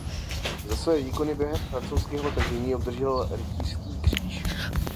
Za své výkony během francouzského tažení obdržel rytířský kříž.